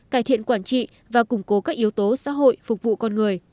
cải thiện quản trị và củng cố các yếu tố xã hội phục vụ con người